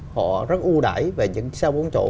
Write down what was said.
họ rất ưu đại về những xe bốn chỗ